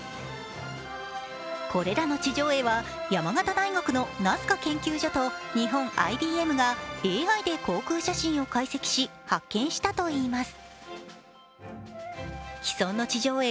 これらの地上絵は山形大学のナスカ研究所と日本ＩＢＭがＡＩで航空写真を解析し発見したといいます。